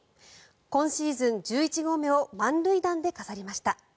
今シーズン１１号目を満塁弾で飾りました。